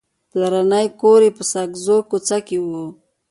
پلرنی کور یې په ساګزو کوڅه کې و.